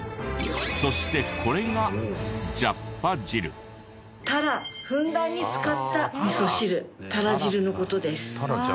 そしてこれがタラふんだんに使ったみそ汁タラ汁の事です。